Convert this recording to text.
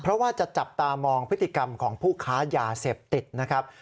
เพราะว่าจะจับตามองพฤติกรรมของผู้ค้ายาเสพติดนะครับ